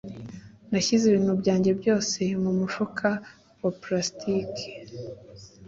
Nashyize ibintu byanjye byose mumufuka wa plastiki.